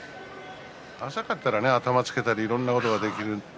浅かったら頭をつけたりいろいろなことができます。